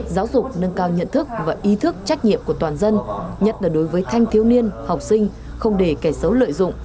giáo dục nâng cao nhận thức và ý thức trách nhiệm của toàn dân nhất là đối với thanh thiếu niên học sinh không để kẻ xấu lợi dụng